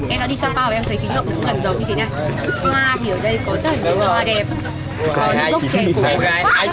em đã đi sapa rồi em thấy kính hợp cũng gần giống như thế này